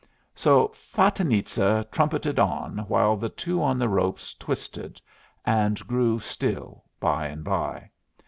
So "Fatinitza" trumpeted on while the two on the ropes twisted, and grew still by and by.